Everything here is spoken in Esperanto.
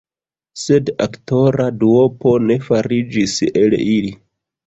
Sed aktora duopo ne fariĝis el ili.